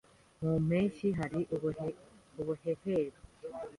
Mu mpeshyi, hari ubuhehere.